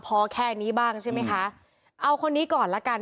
พอแค่นี้บ้างใช่ไหมคะเอาคนนี้ก่อนละกัน